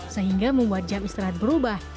sehingga membuat jam istirahat berubah